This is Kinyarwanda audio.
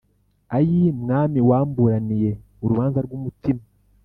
Ayii Mwami Wamburaniye urubanza rwumutima